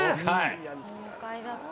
豪快だった。